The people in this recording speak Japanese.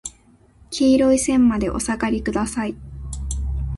黄色い線までお下りください。